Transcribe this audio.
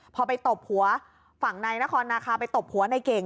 พอไปตบหัวฝั่งนายนครนาคาไปตบหัวในเก่ง